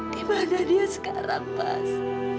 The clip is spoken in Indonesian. dimana dia sekarang mas